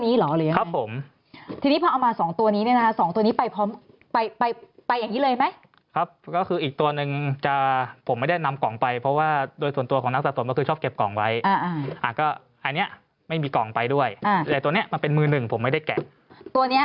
กล่องเพราะฉะนั้นในที่เกิดเหตุตัวนี้ไม่มีไอ้กล่องนี้